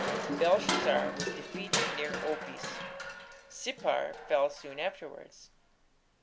Belshazzar was defeated near Opis. Sippar fell soon afterwards.